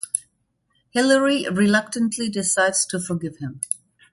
Hillary reluctantly decides to forgive him.